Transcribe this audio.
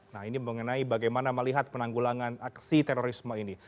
nah ini mengenai bagaimana melihat penanggulangan aksi terorisme ini